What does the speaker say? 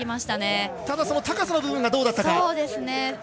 ただ、高さの部分がどうだったか。